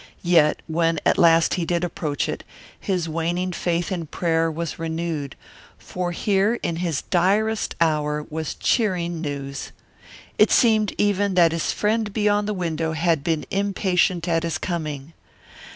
Yet, when at last he did approach it, his waning faith in prayer was renewed, for here in his direst hour was cheering news. It seemed even that his friend beyond the window had been impatient at his coming.